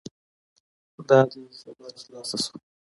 دا دی خبره خلاصه شوه.